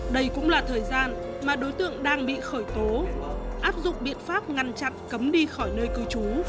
đây cũng là thời gian mà đối tượng đang bị khởi tố áp dụng biện pháp ngăn chặn cấm đi khỏi nơi cư trú